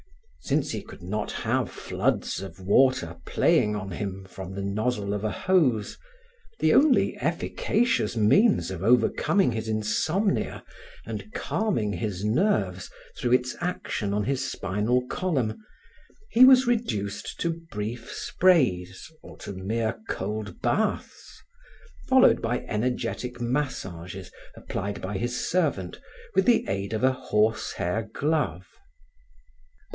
Since he could not have floods of water playing on him from the nozzle of a hose, (the only efficacious means of overcoming his insomnia and calming his nerves through its action on his spinal column) he was reduced to brief sprays or to mere cold baths, followed by energetic massages applied by his servant with the aid of a horse hair glove.